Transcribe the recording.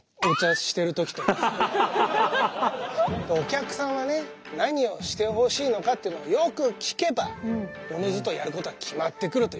お客さんはね何をしてほしいのかっていうのをよく聞けばおのずとやることは決まってくるというわけ。